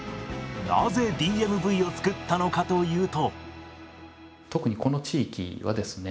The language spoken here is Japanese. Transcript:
なぜＤＭＶを作ったのかというと。